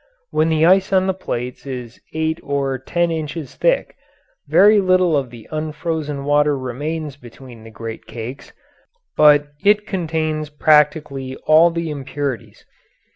When the ice on the plates is eight or ten inches thick very little of the unfrozen water remains between the great cakes, but it contains practically all the impurities.